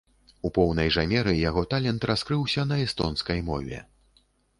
У поўнай жа меры яго талент раскрыўся на эстонскай мове.